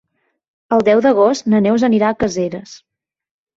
El deu d'agost na Neus anirà a Caseres.